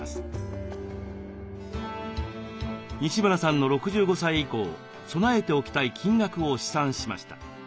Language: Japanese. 西村さんの６５歳以降備えておきたい金額を試算しました。